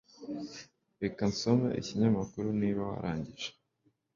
Reka nsome ikinyamakuru niba warangije